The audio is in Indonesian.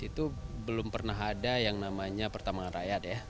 itu belum pernah ada yang namanya pertambangan rakyat ya